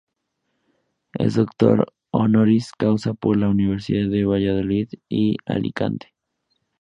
Es doctor honoris causa por las universidades de Valladolid y Alicante.